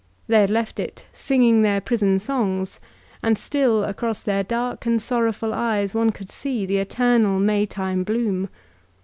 They had left it, sing ing their prison songs; and still across their dark and sorrowful eyes one could see the eternal Maytime bloom.